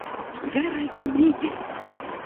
Vere timige!